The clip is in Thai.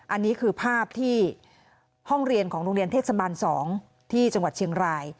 อันนี้คือภาพที่ห้องเรียนของโรงเรียนเทศบาล๒ที่จังหวัดเชียงราย